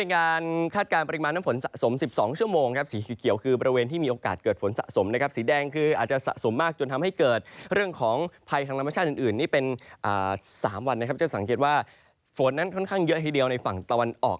ค่อนข้างเยอะทีเดียวในฝั่งตะวันออก